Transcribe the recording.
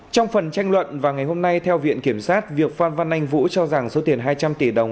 trong phần tranh luận vào ngày hôm nay theo viện kiểm sát việc phan văn anh vũ cho rằng số tiền hai trăm linh tỷ đồng